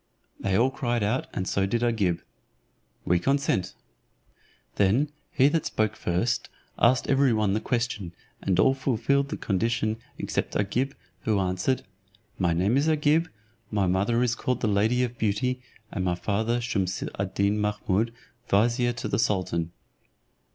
They all cried out, and so did Agib, "We consent." Then he that spoke first asked every one the question, and all fulfilled the condition except Agib, who answered, "My name is Agib, my mother is called the lady of beauty, and my father Shumse ad Deen Mahummud, vizier to the sultan."